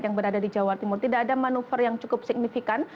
yang berada di jawa timur tidak ada manuver yang cukup signifikan